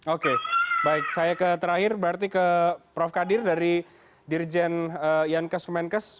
oke baik saya ke terakhir berarti ke prof kadir dari dirjen yankes kemenkes